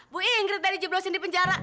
bu ingrid dari jublosin di penjara